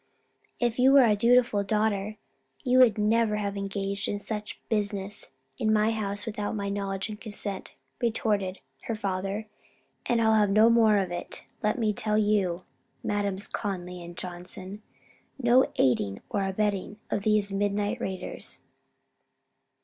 "If you were a dutiful daughter, you would never have engaged in such business in my house without my knowledge and consent," retorted her father, "and I'll have no more of it, let me tell you, Madams Conly and Johnson; no aiding or abetting of these midnight raiders."